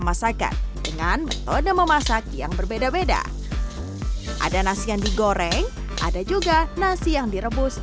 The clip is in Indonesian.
masakan dengan metode memasak yang berbeda beda ada nasi yang digoreng ada juga nasi yang direbus